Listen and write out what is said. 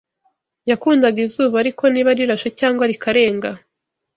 Yakundaga izuba, ariko niba rirashe Cyangwa rikarenga